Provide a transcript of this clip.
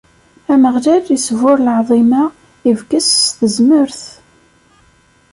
Ameɣlal isburr lɛaḍima, ibges s tezmert.